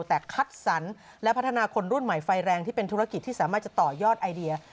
แต่คัดสรรและพัฒนาคนรุ่นใหม่ไฟแรงที่เป็นธุรกิจที่สามารถจะต่อยอดไอเดีย